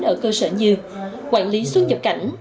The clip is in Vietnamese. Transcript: ở cơ sở như quản lý xuất nhập cảnh